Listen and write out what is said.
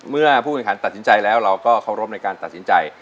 ผู้แข่งขันตัดสินใจแล้วเราก็เคารพในการตัดสินใจ